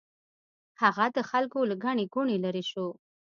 هغه د خلکو له ګڼې ګوڼې لرې شو.